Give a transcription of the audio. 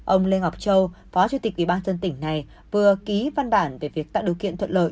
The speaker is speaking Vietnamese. ông lê ngọc châu phó chủ tịch ủy ban dân tỉnh này vừa ký văn bản về việc tạo điều kiện thuận lợi